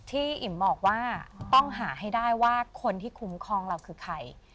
ที่อิ่มบอกว่าต้องหาให้ได้ว่าคนที่คุ้มครองเราคือใคร